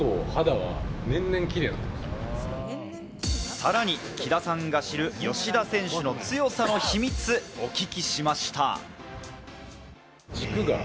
さらに喜田さんが知る吉田選手の強さの秘密をお聞きしました。